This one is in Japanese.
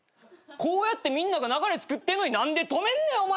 こうやってみんなが流れつくってんのに何で止めんねんお前！